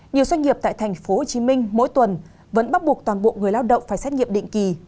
nhiều doanh nghiệp tại tp hcm mỗi tuần vẫn bắt buộc toàn bộ người lao động phải xét nghiệm định kỳ